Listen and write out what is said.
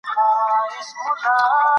لیکوال زموږ لارښود دی.